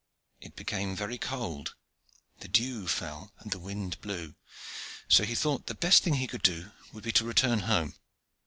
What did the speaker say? It became very cold, the dew fell, and the wind blew; so he thought the best thing he could do would be to return home.